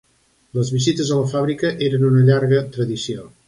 Les visites a la fàbrica eren una llarga tradició.